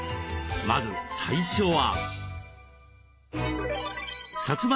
まず最初は。